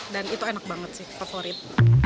dan itu enak banget sih favorit